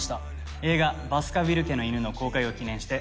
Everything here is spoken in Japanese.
映画『バスカヴィル家の犬』の公開を記念して。